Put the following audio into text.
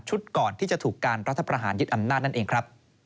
ก่อนที่จะถูกการรัฐประหารยึดอำนาจนั่นเองครับ